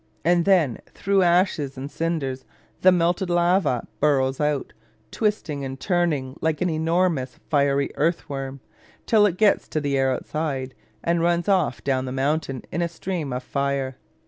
And then, through ashes and cinders, the melted lava burrows out, twisting and twirling like an enormous fiery earth worm, till it gets to the air outside, and runs off down the mountain in a stream of fire.